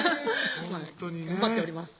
ほんとにね頑張っております